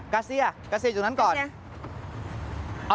กาเซียกาเซียอยู่นั้นก่อน